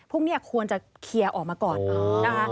พวกนี้ควรจะเคลียร์ออกมาก่อนนะคะ